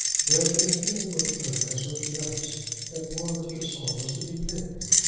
There had been a feeling with her as with the others that poor Mr. Saul was to be pitied.